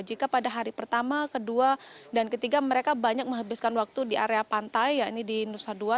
jika pada hari pertama kedua dan ketiga mereka banyak menghabiskan waktu di area pantai ya ini di nusa dua